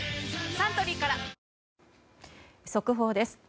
サントリーから速報です。